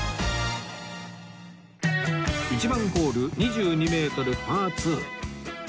１番ホール２２メートルパー２